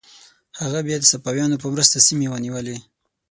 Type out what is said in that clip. هغه بیا د صفویانو په مرسته سیمې ونیولې.